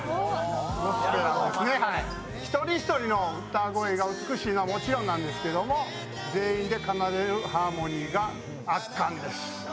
一人一人の歌声が美しいのはもちろんなんですけれども全員で奏でるハーモニーが圧巻です。